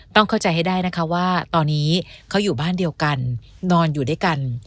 ต้องเข้าใจให้ได้นะคะว่าตอนนี้เขาอยู่บ้านเดียวกันนอนอยู่ด้วยกัน